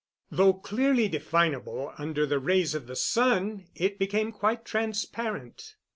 Though clearly definable, under the rays of the sun it became quite transparent.